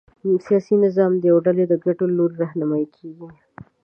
سیاسي نظام د یوې ډلې د ګټو له لوري رهنمايي کېږي.